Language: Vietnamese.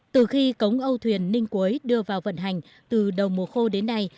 từ khi cống âu thuyền ninh quế đưa vào vận hành từ đầu mùa khô đến nay